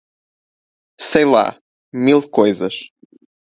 Sei lá, mil coisas!